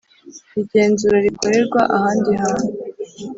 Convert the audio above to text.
igenzura rikorerwa ahandi hantu